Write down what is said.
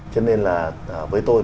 cho nên là với tôi